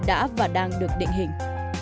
đã và đang được định hình